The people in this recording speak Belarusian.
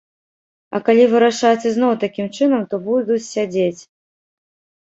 А калі вырашаць ізноў такім чынам, то будуць сядзець.